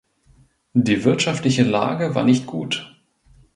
Die wirtschaftliche Lage war nicht gut.